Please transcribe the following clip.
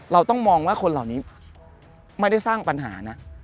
เราต้องมองว่าคนเหล่านี้ไม่ได้สร้างปัญหานะ